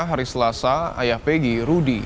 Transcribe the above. haris lasa ayah peggy rudy